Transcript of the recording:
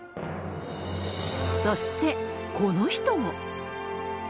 そして、この人も。